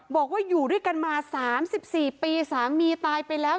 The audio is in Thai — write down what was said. บอกว่าอยู่ด้วยกันมา๓๔ปีสามีตายไปแล้ว